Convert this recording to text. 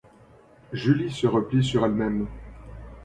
Julie se replie sur elle-même.